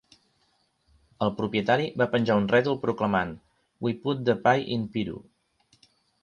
El propietari va penjar un rètol proclamant, We Put The Pie In Piru.